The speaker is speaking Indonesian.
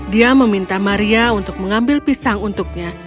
dia meminta maria untuk mengambil pisang untuknya